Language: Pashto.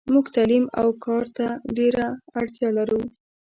موږ تعلیم اوکارته ډیره اړتیالرو .